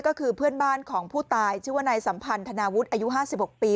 ก็คือเพื่อนบ้านของผู้ตายชื่อว่านายสัมพันธนาวุฒิอายุ๕๖ปี